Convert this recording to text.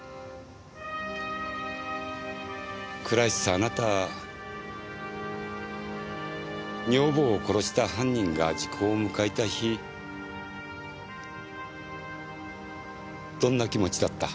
倉石さんあなた女房を殺した犯人が時効を迎えた日どんな気持ちだった？